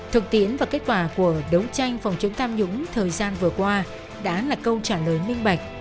thực tiễn và kết quả của đấu tranh phòng chống tham nhũng thời gian vừa qua đã là câu trả lời minh bạch